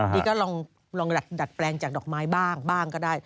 นี่ก็ลองดัดแปลงจากดอกไม้บ้างบ้างก็ได้